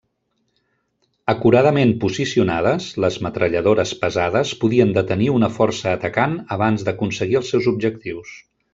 Acuradament posicionades, les metralladores pesades podien detenir una força atacant abans d'aconseguir els seus objectius.